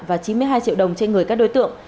và chín mươi hai triệu đồng trên người các đối tượng